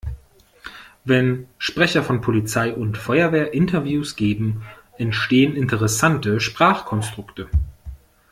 Wenn Sprecher von Polizei und Feuerwehr Interviews geben, entstehen interessante Sprachkonstrukte.